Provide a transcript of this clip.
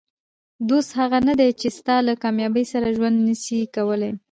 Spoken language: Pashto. دوست هغه نه دئ، چي ستا له کامیابۍ سره ژوند نسي کولای.